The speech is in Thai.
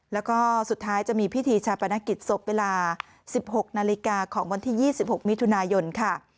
แล้วก็สุดท้ายจะมีพิธีชาปนกิจศพเวลา๑๖นาฬิกาของวันที่๒๖มิถุนายนค่ะ